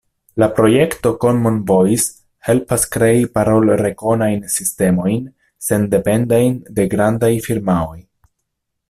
La projekto Common Voice helpas krei parolrekonajn sistemojn, sendependajn de grandaj firmaoj.